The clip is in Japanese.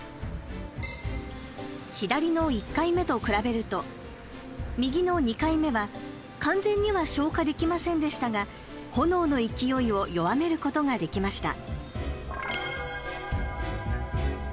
左の１回目と比べると右の２回目は、完全には消火できませんでしたが、炎の勢いを弱めることができました。